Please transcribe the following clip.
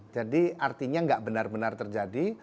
jadi artinya gak benar benar terjadi